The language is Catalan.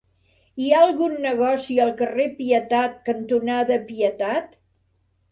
Hi ha algun negoci al carrer Pietat cantonada Pietat?